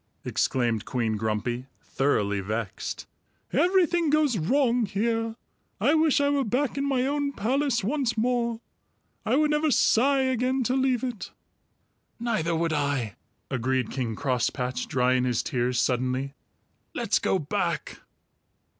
exclaimed Queen Grumpy, thoroughly vexed. "Everything goes wrong here. I wish I were back in my own palace once more! I would never sigh again to leave it." "Neither would I," agreed King Crosspatch, drying his tears suddenly. "Let's go back!"